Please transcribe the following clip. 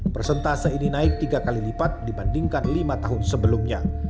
persentase ini naik tiga kali lipat dibandingkan lima tahun sebelumnya